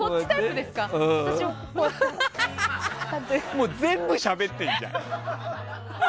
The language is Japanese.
もう全部しゃべってるじゃん。